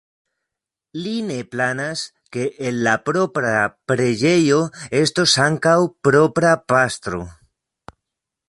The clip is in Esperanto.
Li ne planas, ke en la propra preĝejo estos ankaŭ propra pastro.